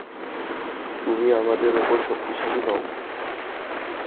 তুমি আমাদের উপর শক্তিশালী নও।